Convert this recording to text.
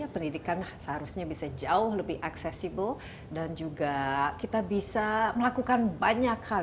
pendidikan seharusnya bisa jauh lebih accessible dan juga kita bisa melakukan banyak hal